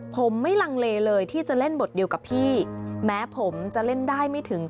ผมไม่ลังเลเลยที่จะเล่นบทเดียวกับพี่แม้ผมจะเล่นได้ไม่ถึง